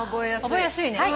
覚えやすいね。